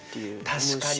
確かにね。